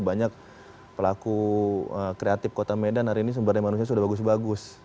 banyak pelaku kreatif kota medan hari ini sumber daya manusia sudah bagus bagus